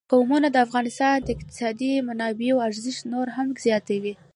قومونه د افغانستان د اقتصادي منابعو ارزښت نور هم زیاتوي.